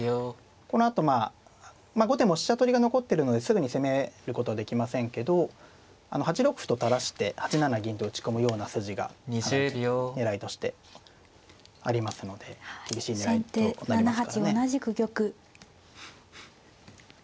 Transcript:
このあとまあ後手も飛車取りが残ってるのですぐに攻めることはできませんけど８六歩と垂らして８七銀と打ち込むような筋が狙いとしてありますので厳しい狙いとなりますからね。